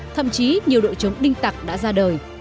thậm chí nhiều đội chống đinh tặc đã ra đời